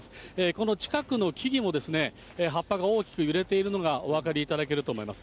この近くの木々もですね、葉っぱが大きく揺れているのがお分かりいただけると思います。